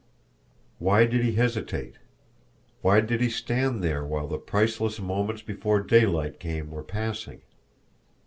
Why did he hesitate? Why did he stand there while the priceless moments before daylight came were passing?